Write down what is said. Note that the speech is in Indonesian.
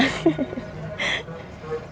aduh berapa ya